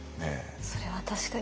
それは確かに。